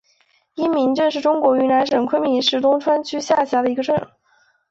因民镇是中国云南省昆明市东川区下辖的一个镇。